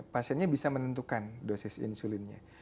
pasiennya bisa menentukan dosis insulinnya